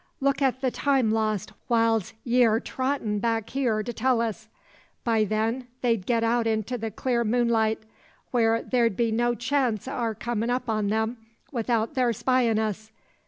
Look at the time lost whiles ye air trottin' back hyar to tell us. By then, they'd get out into the clear moonlight, whar ther'd be no chance o' our comin' up to them without thar spyin' us.